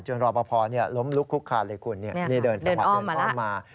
จนรอบพอล์ล้มลุกคุกฆานเลยคุณนี่เดินอ้อมมา